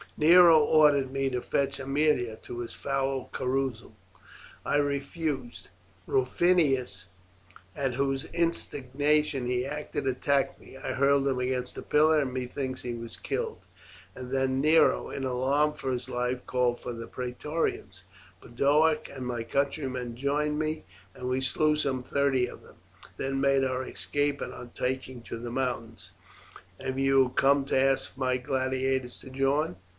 "Nero ordered me to fetch Aemilia to his foul carousal. I refused. Rufinus, at whose instigation he acted, attacked me. I hurled him against a pillar, and methinks he was killed, and then Nero, in alarm for his life, called in the Praetorians. Boduoc and my countrymen joined me, and we slew some thirty of them, and then made our escape, and are taking to the mountains." "And you have come to ask my gladiators to join?"